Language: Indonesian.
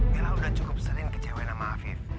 bella sudah cukup sering kecewain sama afif